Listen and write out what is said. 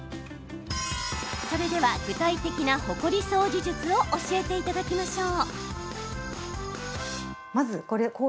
それでは具体的なほこり掃除術を教えていただきましょう。